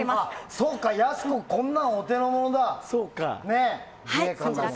そうか、やす子はこんなのお手の物か。